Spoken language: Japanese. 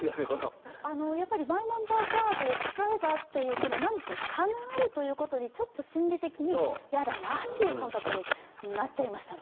やっぱりマイナンバーカードを使えばという何でしょう、差があるということに心理的に嫌だなという感覚になっちゃいましたね。